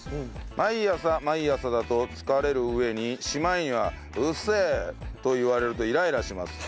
毎朝毎朝だと疲れる上にしまいには「うっせえ！」と言われるとイライラします。